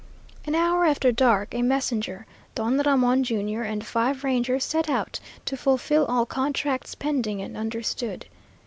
An hour after dark, a messenger, Don Ramon, Jr., and five Rangers set out to fulfill all contracts pending and understood.